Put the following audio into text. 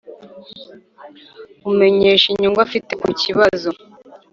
Umenyesha inyungu afite ku kibazo